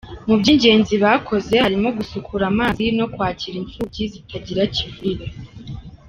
Mu by’ingenzi bakoze harimo gusukura amazi no kwakira imfubyi zitagira kivurira.